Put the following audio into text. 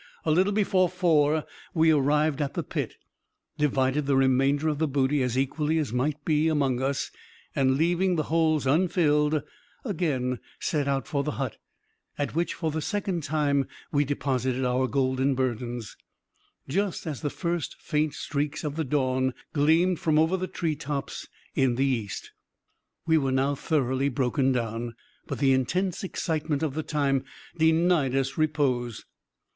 A little before four we arrived at the pit, divided the remainder of the booty, as equally as might be, among us, and, leaving the holes unfilled, again set out for the hut, at which, for the second time, we deposited our golden burdens, just as the first faint streaks of the dawn gleamed from over the tree tops in the East. We were now thoroughly broken down; but the intense excitement of the time denied us repose.